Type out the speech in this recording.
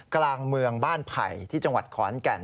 กลางเมืองบ้านไผ่ที่จังหวัดขอนแก่น